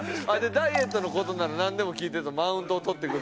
「ダイエットの事ならなんでも聞いて」とマウントをとってくる時。